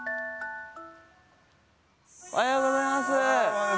おはようございます。